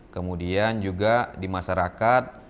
kemudian juga di masyarakat